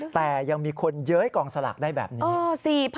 แต่ยังมีคนเย้ยกองสลากได้แบบนี้